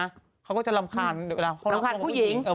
ครับเขาจะลำคาญเนี่ย